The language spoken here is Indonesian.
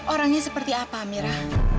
orangnya seperti apa amira